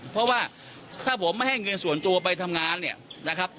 เพราะว่าถ้าผมไม่ให้เงินส่วนตัวไปทำงานเนี่ยนะครับ